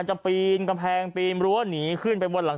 โอเคเรียบร้อย